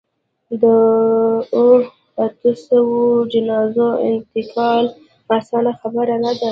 د اوو، اتو سووو جنازو انتقال اسانه خبره نه ده.